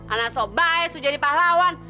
anak sobaes jadi pahlawan